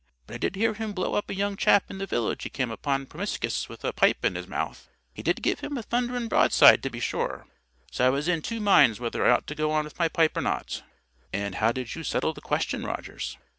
But I did hear him blow up a young chap i' the village he come upon promiscus with a pipe in his mouth. He did give him a thunderin' broadside, to be sure! So I was in two minds whether I ought to go on with my pipe or not." "And how did you settle the question, Rogers?"